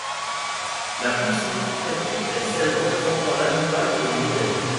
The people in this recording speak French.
La plus significative est celle présentant l'animal comme modèle.